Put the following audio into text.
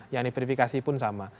ya diverifikasi pun sama